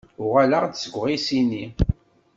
Uɣaleɣ-d seg uɣisiṉni.